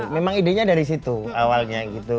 memang idenya dari situ awalnya gitu